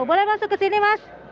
boleh masuk ke sini mas